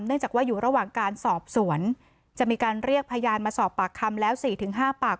จากว่าอยู่ระหว่างการสอบสวนจะมีการเรียกพยานมาสอบปากคำแล้ว๔๕ปาก